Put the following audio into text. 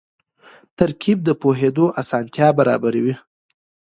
ترکیب د پوهېدو اسانتیا برابروي.